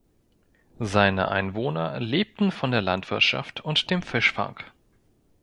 Seine Einwohner lebten von der Landwirtschaft und dem Fischfang.